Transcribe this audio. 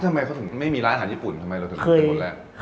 ทำไมเขาถึงไม่มีร้านอาหารญี่ปุ่นทำไมเราถึงไปหมดแล้ว